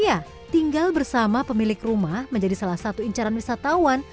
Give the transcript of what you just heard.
ya tinggal bersama pemilik rumah menjadi salah satu incaran wisatawan